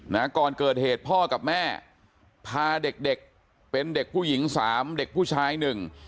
นะก่อนเกิดเหตุพ่อกับแม่พาเด็กเด็กเป็นเด็กผู้หญิงสามเด็กผู้ชายหนึ่ง